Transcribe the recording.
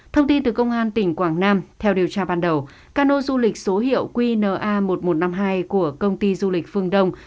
thông tin từ công an tỉnh quảng nam theo điều tra ban đầu cano du lịch số hiệu qna một nghìn một trăm năm mươi hai của công ty du lịch phương đông